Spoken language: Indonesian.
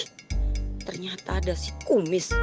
ternyata ada si kumis